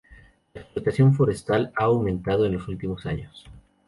La explotación forestal ha aumentado en los últimos años.